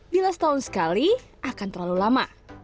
bila setahun sekali akan terlalu lama